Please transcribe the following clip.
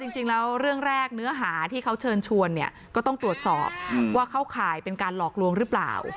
จริงแล้วเรื่องแรกเนื้อหาที่เขาเชิญชวนเนี่ยก็ต้องตรวจสอบว่าเข้าข่ายเป็นการหลอกลวงหรือเปล่า